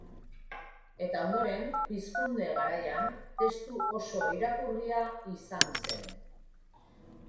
Eta ondoren, Pizkunde garaian, testu oso irakurria izan zen.